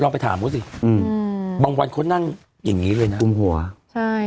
ไปถามว่าสิอืมบังวันคนต้มอย่างงี้เลยน่ะกลุ่มหัวใช่